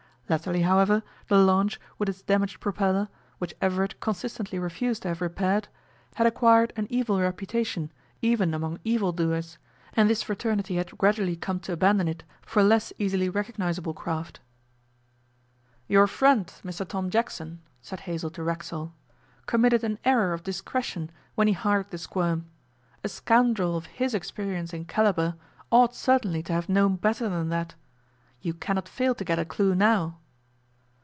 Latterly, however, the launch, with its damaged propeller, which Everett consistently refused to have repaired, had acquired an evil reputation, even among evil doers, and this fraternity had gradually come to abandon it for less easily recognizable craft. 'Your friend, Mr Tom Jackson,' said Hazell to Racksole, 'committed an error of discretion when he hired the "Squirm". A scoundrel of his experience and calibre ought certainly to have known better than that. You cannot fail to get a clue now.